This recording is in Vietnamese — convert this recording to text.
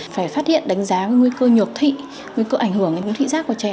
phải phát hiện đánh giá nguy cơ nhược thị nguy cơ ảnh hưởng đến thị giác của trẻ